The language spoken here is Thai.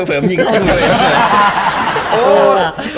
ฟิลบาร์ฟ